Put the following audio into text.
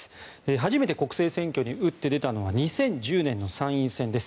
初めて国政選挙に打って出たのは２０１０年の参院選です。